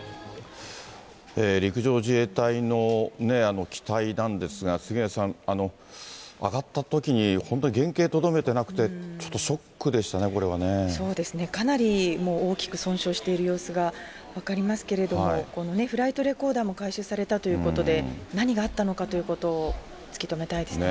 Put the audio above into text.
陸上自衛隊の機体なんですが、杉上さん、揚がったときに本当に原形とどめてなくて、ちょっとショックでしそうですね、かなり大きく損傷している様子が分かりますけれども、このフライトレコーダーも回収されたということで、何があったのかということを突き止めたいですね。